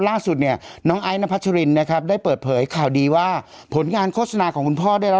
ล่าสุดเนี่ยน้องนะครับได้เปิดเผยข่าวดีว่าผลงานโฆษณาของคุณพ่อได้แล้ว